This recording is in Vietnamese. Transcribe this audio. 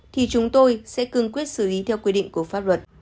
thì chúng tôi sẽ cương quyết xử lý theo quy định của pháp luật